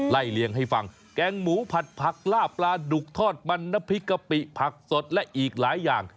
เลียงให้ฟังแกงหมูผัดผักล่าปลาดุกทอดมันน้ำพริกกะปิผักสดและอีกหลายอย่าง